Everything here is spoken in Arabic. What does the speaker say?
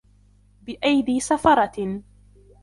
بِأَيدي سَفَرَةٍ